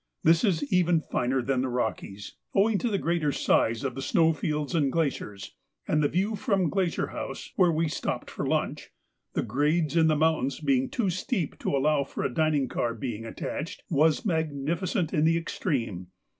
This is even finer than the Rockies, owing to the greater size of the snowfields and glaciers, and the view from Glacier House, where we stopped for lunch, the grades in the mountains being too steep to allow of a dining car being attached, was magnificent in the extreme.